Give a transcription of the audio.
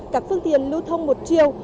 các phương tiện lưu thông một triệu